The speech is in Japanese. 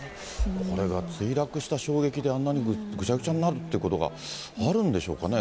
これが墜落した衝撃であんなにぐちゃぐちゃになるということがあるんでしょうかね。